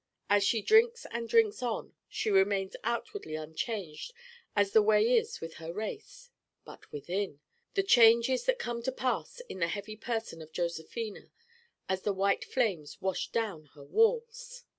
As she drinks and drinks on she remains outwardly unchanged as the way is with her race but within! The changes that come to pass in the heavy person of Josephina as the white flames wash down her walls!